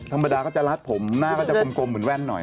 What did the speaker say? ธรรมดาก็จะรัดผมหน้าก็จะกลมเหมือนแว่นหน่อย